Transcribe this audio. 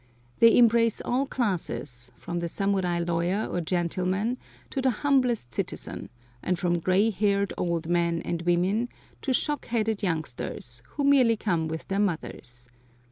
They embrace all classes, from the samurai lawyer or gentleman to the humblest citizen, and from gray haired old men and women to shock headed youngsters, who merely come with their mothers.